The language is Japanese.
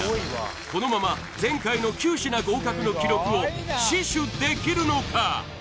このまま前回の９品合格の記録を死守できるのか？